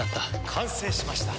完成しました。